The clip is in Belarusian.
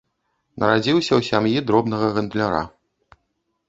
Нарадзіўся ў сям'і дробнага гандляра.